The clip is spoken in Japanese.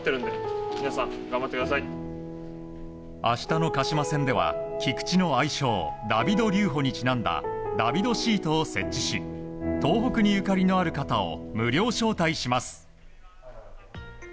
明日の鹿島戦では菊池の愛称ダビドリューホにちなんだＤＡＶＩＤシートを設置し東北にゆかりのある方を無料招待します。